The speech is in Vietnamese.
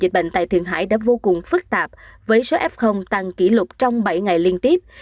dịch bệnh tại thượng hải đã vô cùng phức tạp với số f tăng kỷ lục trong bảy ngày liên tiếp